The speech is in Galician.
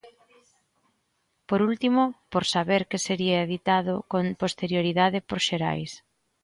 Por último, por saber que sería editado con posterioridade por Xerais.